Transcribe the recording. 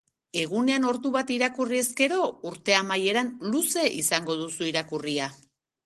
Egunean ordu bat irakurri ezkero, urte amaieran luze izango duzu irakurria